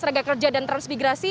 pasraga kerja dan transmigrasi